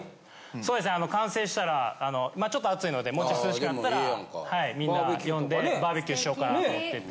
そうですね完成したらちょっと暑いのでもうちょい涼しくなったらみんな呼んでバーベキューしようかなと思ってて。